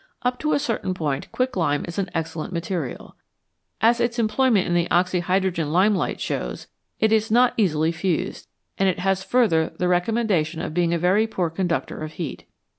Up to a certain point quicklime is an excellent material. As its em ployment in the oxy hydrogen lime light shows, it is not easily fused, and it has further the recommenda tion of being a very poor conductor of heat.